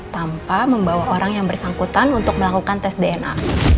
tanpa membawa orang yang bersangkutan untuk melakukan tes dna